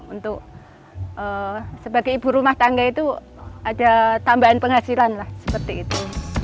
untuk sebagai ibu rumah tangga itu ada tambahan penghasilan lah seperti itu